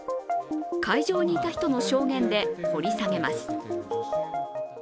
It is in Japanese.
会場にいた人の証言で掘り下げます。